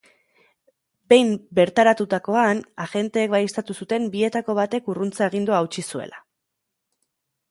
Behin bertaratutakoan, agenteek baieztatu zuten bietako batek urruntze agindua hautsi zuela.